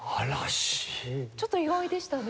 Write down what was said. ちょっと意外でしたね。